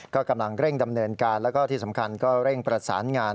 ก็กำลังเร่งดำเนินการแล้วก็ที่สำคัญก็เร่งประสานงาน